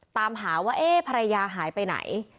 ตามหาว่าเอ๊ะภรรยาหายไปไหน